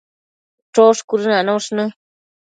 Chosh cuëdënanosh në